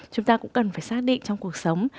chúng ta cũng cần phải xác định trong cuộc sống